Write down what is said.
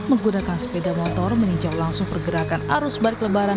menggunakan sepeda motor meninjau langsung pergerakan arus balik lebaran